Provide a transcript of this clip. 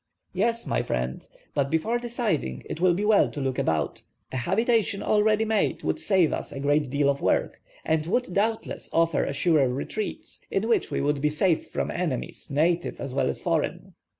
"Yes, my friend; but before deciding it will be well to look about. A habitation all ready made would save us a great deal of work, and would, doubtless, offer a surer retreat, in which we would be safe from enemies, native as well as foreign?"